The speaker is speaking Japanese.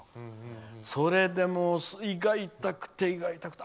それでもう、胃が痛くて痛くて。